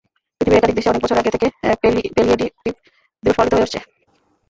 পৃথিবীর একাধিক দেশে অনেক বছর আগে থেকে প্যালিয়েটিভ দিবস পালিত হয়ে আসছে।